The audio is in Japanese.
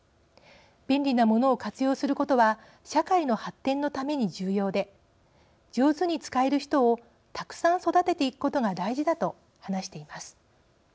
「便利なものを活用することは社会の発展のために重要で上手に使える人をたくさん育てていくことが大事だ」と話しています。